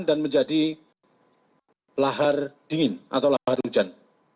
dan menjadi lahar dingin atau lahar hujan